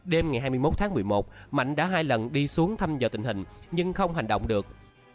đêm ngày hai mươi một tháng một mươi một mạnh đã hai lần đi xuống thăm dò tình hình nhưng không hành động được